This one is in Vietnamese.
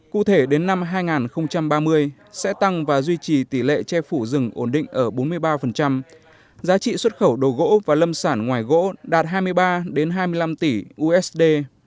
cụ thể đến năm hai nghìn ba mươi sẽ tăng và duy trì tỷ lệ che phủ rừng ổn định ở bốn mươi ba giá trị xuất khẩu đồ gỗ và lâm sản ngoài gỗ đạt hai mươi ba hai mươi năm tỷ usd